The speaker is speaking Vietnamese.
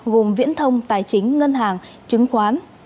gồm viễn thông tài chính ngân hàng chứng khoán